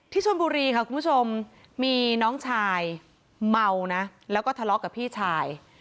ชนบุรีค่ะคุณผู้ชมมีน้องชายเมานะแล้วก็ทะเลาะกับพี่ชาย